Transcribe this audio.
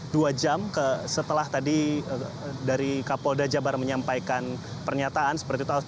dua jam setelah tadi dari kapolda jabar menyampaikan pernyataan seperti itu